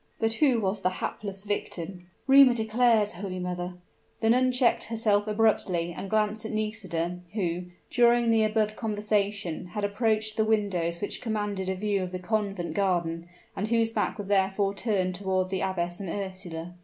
"But who was the hapless victim?" "Rumor declares, holy mother " The nun checked herself abruptly, and glanced at Nisida, who, during the above conversation, had approached the windows which commanded a view of the convent garden, and whose back was therefore turned toward the abbess and Ursula.